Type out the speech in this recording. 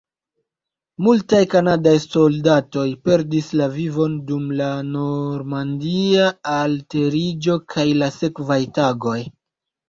Multaj kanadaj soldatoj perdis la vivon dum la Normandia alteriĝo kaj la sekvaj tagoj.